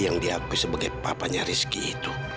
yang diakui sebagai papanya rizki itu